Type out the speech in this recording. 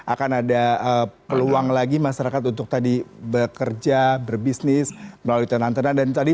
akan ada peluang lagi masyarakat untuk tadi bekerja berbisnis melalui tenan tenang dan tadi